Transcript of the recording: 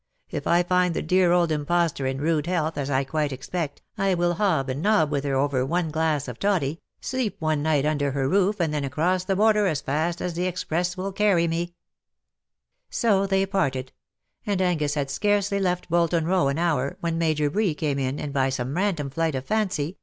If I find the dear old impostor in rude health, as I quite expect, I will hob and nob with her over one glass of toddy. 202 CUPID AND PSYCHE. sleep one night under her roof, and then across the Border as fast as the express will carry me/^ So they parted; and Angus had scarcely left Bolton Row an honr_, when Major Bree came in^ and^ by some random flight of fancy.